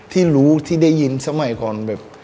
ที่รู้ที่ได้ยินสมัยก่อนแบบ